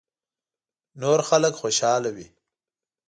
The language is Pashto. نور خلک خوشاله وي .